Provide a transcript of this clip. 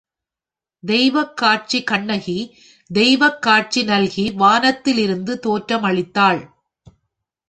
தெய்வக் காட்சி கண்ணகி தெய்வக் காட்சி நல்கி வானத்தில் இருந்து தோற்றம் அளித்தாள்.